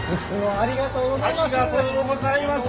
ありがとうございます。